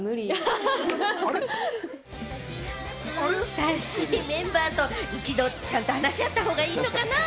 さっしー、メンバーと一度ちゃんと話し合った方がいいのかな。